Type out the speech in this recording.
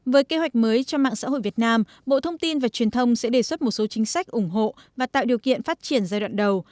với kế hoạch mới cho mạng xã hội việt nam bộ thông tin và truyền thông sẽ đề xuất một số chính sách ủng hộ và tạo điều kiện phát triển giai đoạn đầu